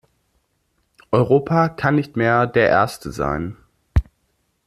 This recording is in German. Europa kann nicht mehr der Erste sein.